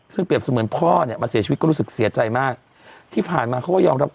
ซึ่งเปรียบเสมือนพ่อเนี่ยมาเสียชีวิตก็รู้สึกเสียใจมากที่ผ่านมาเขาก็ยอมรับ